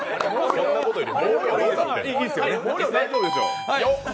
そんなことより。